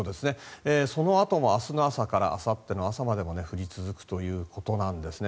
そのあとも明日の朝からあさっての朝までも降り続くということなんですね。